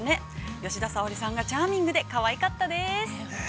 吉田沙保里さんがチャーミングでかわいかったです。